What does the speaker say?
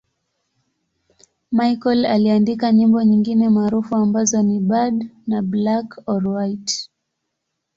Michael aliandika nyimbo nyingine maarufu ambazo ni 'Bad' na 'Black or White'.